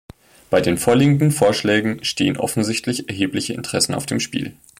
Bei den vorliegenden Vorschlägen stehen offensichtlich erhebliche Interessen auf dem Spiel.